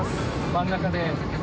真ん中で。